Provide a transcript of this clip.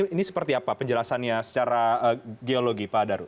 ini seperti apa penjelasannya secara geologi pak daru